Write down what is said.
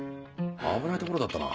危ないところだったな。